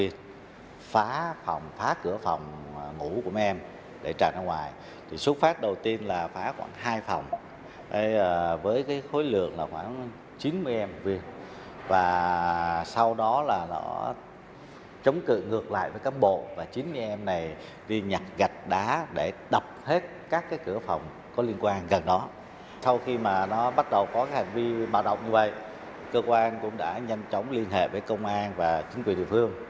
sau khi mà nó bắt đầu có hành vi bạo động như vậy cơ quan cũng đã nhanh chóng liên hệ với công an và chính quyền địa phương